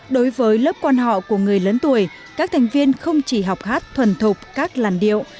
đối với lớp quan họ của người lớn tuổi các thành viên không chỉ học hát thuần thục các làn điệu